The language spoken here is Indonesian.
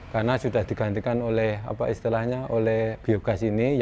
karena sudah digantikan oleh apa istilahnya oleh biogas ini